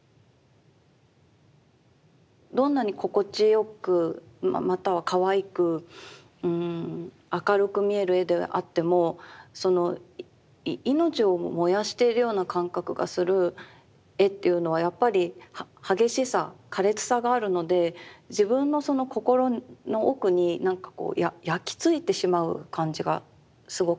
どんなに心地よくまたはかわいく明るく見える絵であっても命を燃やしているような感覚がする絵っていうのはやっぱり激しさ苛烈さがあるので自分のそのがすごくするんです。